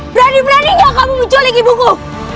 berani berani yang kamu miliki ibu ku